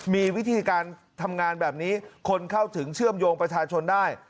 มีวิธีการทำงานแบบนี้คนเข้าถึงเชื่อมโยงประชาชนได้